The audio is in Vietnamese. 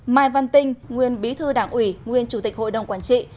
mai văn tinh nguyên bí thư đảng ủy nguyên chủ tịch hội đồng quản trị